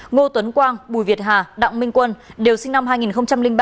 ngô tuấn quang bùi việt hà đặng minh quân đều sinh năm hai nghìn ba